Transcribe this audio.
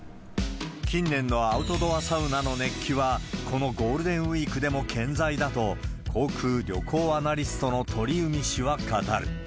近年のアウトドアサウナの熱気は、このゴールデンウィークでも健在だと、航空・旅行アナリストの鳥海氏は語る。